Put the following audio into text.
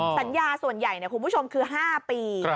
สัญญาส่วนใหญ่คุณผู้ชมคือ๕ปี